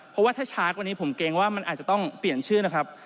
เพราะว่าถ้าชาร์จวันนี้ผมเกรงว่ามันอาจจะต้องเปลี่ยนชื่อนะครับ